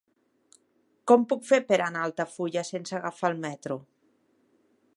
Com ho puc fer per anar a Altafulla sense agafar el metro?